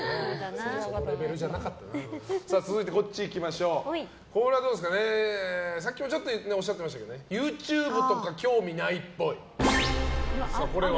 続いて、さっきもちょっとおっしゃってましたけどＹｏｕＴｕｂｅとか興味ないっぽい。